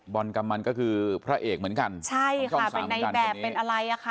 กำมันก็คือพระเอกเหมือนกันใช่ค่ะเป็นในแบบเป็นอะไรอ่ะค่ะ